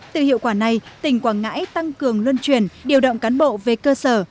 từ hiệu quả này tỉnh quảng ngãi tăng cường luân truyền điều động cán bộ về cơ sở